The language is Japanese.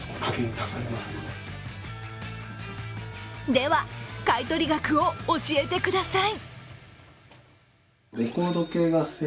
では、買い取り額を教えてください。